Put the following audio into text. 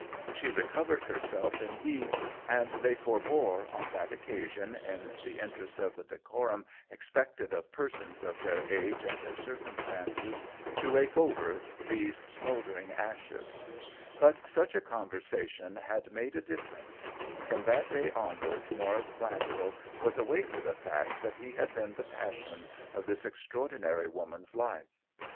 She recovered herself indeed, and they forbore, on that occasion, in the interest of the decorum expected of persons of their 78 THE WHEEL OF TIME age and in their circumstances, to rake over these smouldering ashes ; but such a con versation had made a difference, and from that day onward Maurice Glanvil was awake to the fact that he had been the passion of this extraordinary woman's life.